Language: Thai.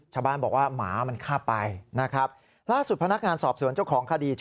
ชาวบ้านบอกว่าหมามันฆ่าไปนะครับล่าสุดพนักงานสอบสวนเจ้าของคดี